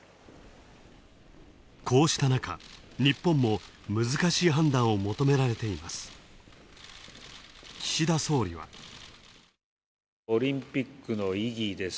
こうしたなか日本も難しい判断を求められています。